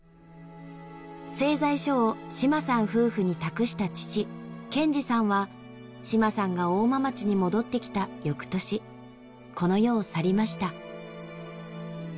製材所を島さん夫婦に託した父謙次さんは島さんが大間町に戻ってきた翌年この世を去りました。